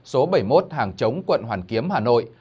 số bảy mươi một hàng chống quận hoàn kiếm hà nội